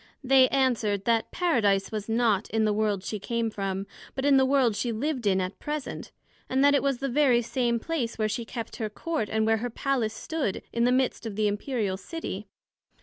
They answered, That Paradise was not in the world she came from, but in that world she lived in at present; and that it was the very same place where she kept her Court, and where her Palace stood, in the midst of the Imperial City.